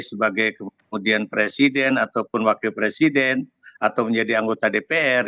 sebagai kemudian presiden ataupun wakil presiden atau menjadi anggota dpr